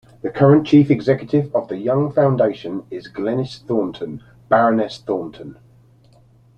The current Chief Executive of The Young Foundation is Glenys Thornton, Baroness Thornton.